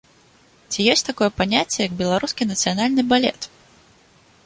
Ці ёсць такое паняцце, як беларускі нацыянальны балет?